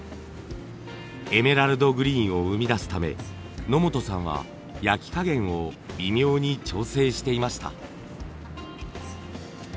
エメラルドグリーンを生み出すため野本さんは焼き加減を微妙に調整していました。